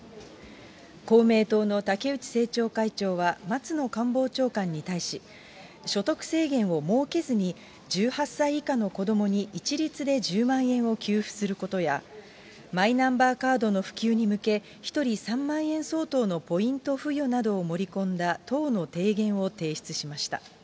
公明党の竹内政調会長は、松野官房長官に対し、所得制限を設けずに１８歳以下の子どもに一律で１０万円を給付することや、マイナンバーカードの普及に向け、１人３万円相当のポイント付与などを盛り込んだ党の提言を提出しました。